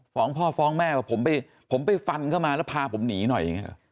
พ่อฟ้องแม่ว่าผมไปฟันเข้ามาแล้วพาผมหนีหน่อยอย่างนี้